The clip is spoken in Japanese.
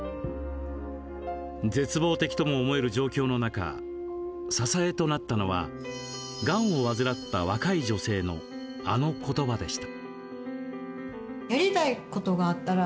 絶望的とも思える状況の中支えとなったのはがんを患った若い女性のあの言葉でした。